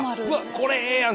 これええやん。